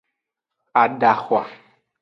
Adahwa.